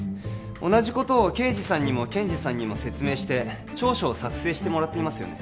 同じことを刑事さんにも検事さんにも説明して調書を作成してもらっていますよね